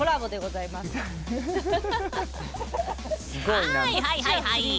はいはいはいはい。